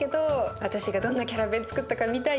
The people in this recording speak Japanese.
私がどんなキャラベンつくったか見たい？